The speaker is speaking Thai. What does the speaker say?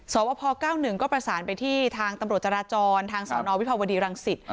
สวพ๙๑ก็ประสานไปที่ทางตำรวจจราจรทางสนวิภาวดีรังสิต